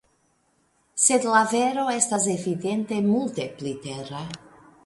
Sed la vero estas evidente multe pli tera.